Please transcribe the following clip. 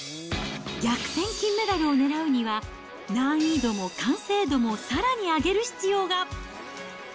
逆転金メダルをねらうには、難易度も完成度もさらに上げる必要が。